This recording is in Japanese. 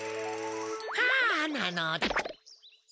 はあなのだ。